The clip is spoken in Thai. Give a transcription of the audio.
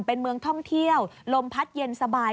เป็นเมืองท่องเที่ยวลมพัดเย็นสบาย